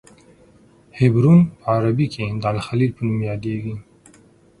حبرون په عربي کې د الخلیل په نوم یادیږي.